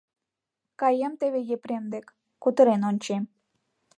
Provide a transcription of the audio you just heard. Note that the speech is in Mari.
Каем теве Епрем дек, кутырен ончем.